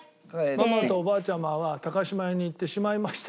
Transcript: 「ママとおばあちゃまは島屋にいってしまいました」